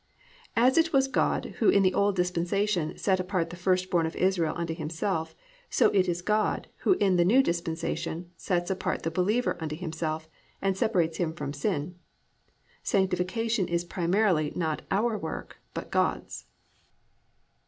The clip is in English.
As it was God who in the old dispensation set apart the first born of Israel unto Himself, so it is God who in the new dispensation sets apart the believer unto Himself and separates him from sin. Sanctification is primarily not our work but God's.